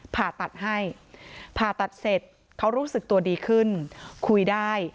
ผ่าตัดให้ผ่าตัดเสร็จเขารู้สึกตัวดีขึ้นคุยได้